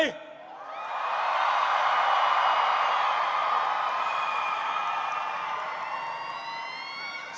ครับ